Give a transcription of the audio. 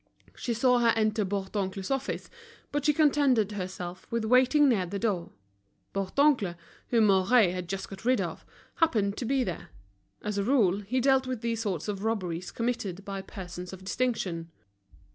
She saw her enter Bourdoncle's office, but she contented herself with waiting near the door. Bourdoncle, whom Mouret had just got rid of, happened to be there. As a rule, he dealt with these sorts of robberies committed by persons of distinction.